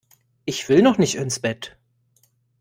Ich will noch nicht ins Bett!